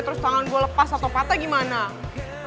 terus tangan gue lepas atau patah gimana